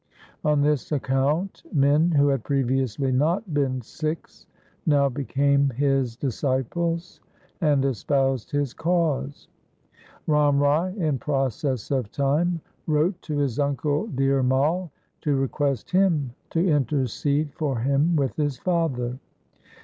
On this account men who had previously not been Sikhs, now became his disciples and espoused his cause. Ram Rai in process of time wrote to his uncle Dhir Mai to request him to intercede for him with his father.